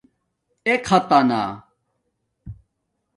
اختݳنہ